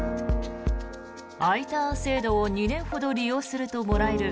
Ｉターン制度を２年ほど利用するともらえる